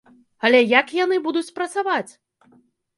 Але як яны будуць працаваць?